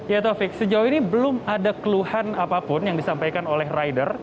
ya taufik sejauh ini belum ada keluhan apapun yang disampaikan oleh rider